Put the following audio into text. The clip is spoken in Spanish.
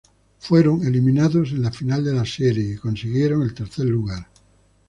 Fueron eliminados en la final de la serie y consiguieron el tercer lugar.